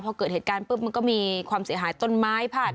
พอเกิดเหตุการณ์ปุ๊บมันก็มีความเสียหายต้นไม้ผ่าน